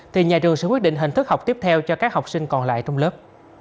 thì nhà trường sẽ quyết định hình thức học tiếp theo cho các học sinh còn lại trong lớp